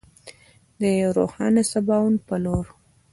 د یو روښانه سباوون په لور.